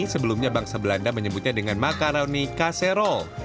sebelumnya bangsa belanda menyebutnya dengan makaroni caserol